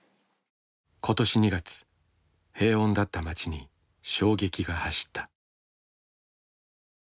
今年２月平穏だった町に衝撃が走った。